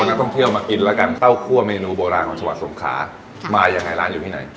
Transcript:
ครับต้องเที่ยวมากินแล้วกันเต้าขั่วเมนูโบราณของจ